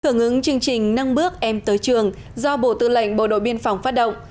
thưởng ứng chương trình năng bước em tới trường do bộ tư lệnh bộ đội biên phòng phát động